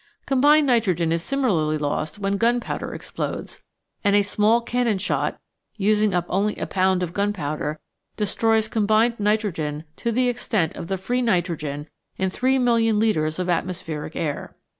Combined nitrogen is similarly lost when gunpowder explodes, and a small cannon shot, using up only a pound of gunpowder, destroys combined nitrogen to the extent of the free nitrogen in three million litres of atmospheric air.